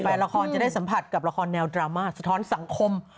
ละครจะได้สัมผัสกับละครแนวดราม่าสะท้อนสังคม